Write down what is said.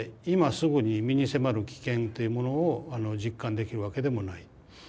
今すぐに身に迫る危険っていうものを実感できるわけでもない。